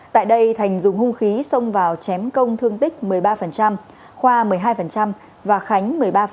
tại đây thành dùng hung khí xông vào chém công thương tích một mươi ba khoa một mươi hai và khánh một mươi ba